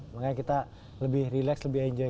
makanya kita lebih relax lebih enjoy